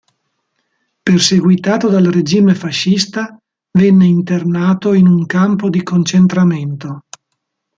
Perseguitato dal regime fascista venne internato in un campo di concentramento.